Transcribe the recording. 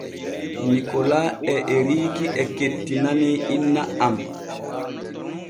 Nikola e Eriiki e kettinanii inna am.